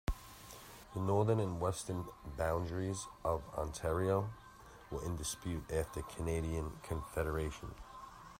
The northern and western boundaries of Ontario were in dispute after Canadian Confederation.